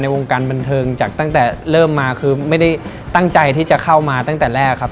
วงการบันเทิงจากตั้งแต่เริ่มมาคือไม่ได้ตั้งใจที่จะเข้ามาตั้งแต่แรกครับ